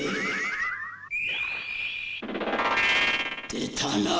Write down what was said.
出たな！